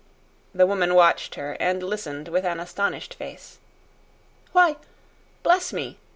The woman watched her, and listened with an astonished face. "Why, bless me!"